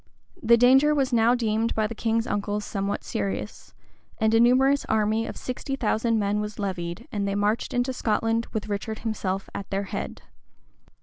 The danger was now deemed by the king's uncles somewhat serious; and a numerous army of sixty thousand men was levied, and they marched into Scotland with Richard himself at their head.